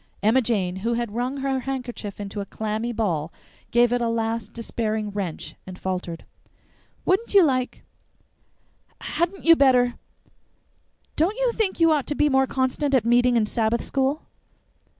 Emma Jane, who had wrung her handkerchief into a clammy ball, gave it a last despairing wrench, and faltered: "Wouldn't you like hadn't you better don't you think you'd ought to be more constant at meeting and Sabbath school?"